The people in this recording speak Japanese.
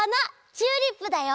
チューリップだよ！